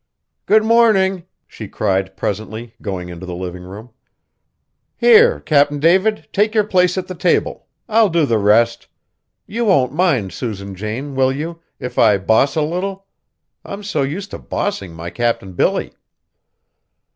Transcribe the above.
"Good morning!" she cried presently, going into the living room. "Here, Cap'n David, take your place at the table. I'll do the rest. You won't mind, Susan Jane, will you, if I boss a little? I'm so used to bossing my Cap'n Billy."